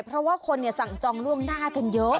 เพราะว่าคนสั่งจองล่วงหน้ากันเยอะ